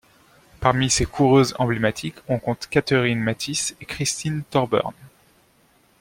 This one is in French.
Parmi ses coureuses emblématiques, on compte Katheryn Mattis et Christine Thorburn.